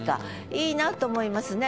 良いなと思いますね。